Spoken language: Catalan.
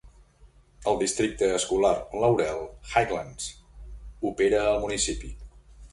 El districte escolar Laurel Highlands opera al municipi.